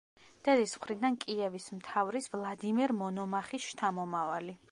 დედის მხრიდან კიევის მთავრის ვლადიმერ მონომახის შთამომავალი.